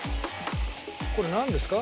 これなんですか？